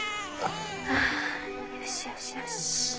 あよしよしよし。